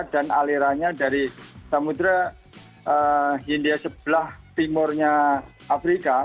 dan alirannya dari samudera india sebelah timurnya afrika